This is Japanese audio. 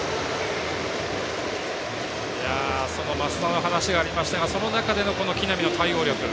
その益田の話がありましたがその中での木浪の対応力。